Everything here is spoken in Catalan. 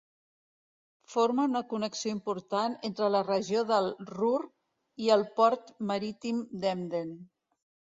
Forma una connexió important entre la regió del Ruhr i el port marítim d'Emden.